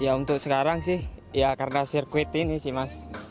ya untuk sekarang sih ya karena sirkuit ini sih mas